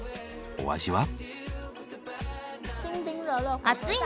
お味は？